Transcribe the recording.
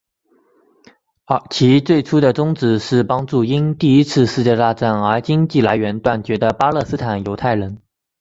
其最初的宗旨是帮助因第一次世界大战而经济来源断绝的巴勒斯坦犹太人。